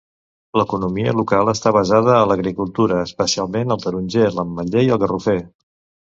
L'economia local està basada a l'agricultura, especialment el taronger, l'ametller i el garrofer.